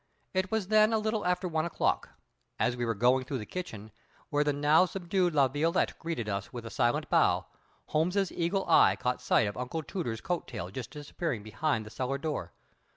It was then a little after one o'clock. As we were going through the kitchen, where the now subdued La Violette greeted us with a silent bow, Holmes's eagle eye caught sight of Uncle Tooter's coat tail just disappearing behind the cellar door.